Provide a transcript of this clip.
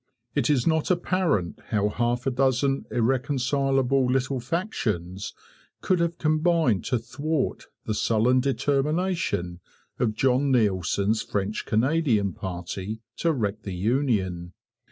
It is not apparent how half a dozen irreconcilable little factions could have combined to thwart the sullen determination of John Neilson's French Canadian party to wreck the Union.